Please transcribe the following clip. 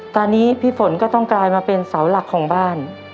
ตอนนี้พี่ฝนก็ต้องกลายมาเป็นเสาหลักของบ้าน